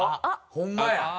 ホンマや。